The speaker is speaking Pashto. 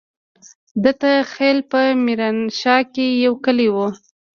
دته خېل په ميرانشاه کې يو کلی وو.